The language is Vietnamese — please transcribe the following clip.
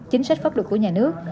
chính sách pháp luật của nhà nước